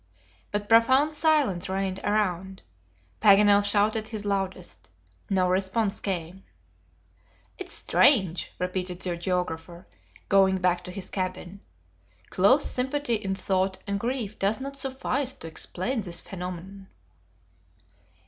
But profound silence reigned around. Paganel shouted his loudest. No response came. "It is strange," repeated the geographer, going back to his cabin. "Close sympathy in thought and grief does not suffice to explain this phenomenon."